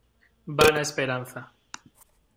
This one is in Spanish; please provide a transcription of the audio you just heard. vana esperanza.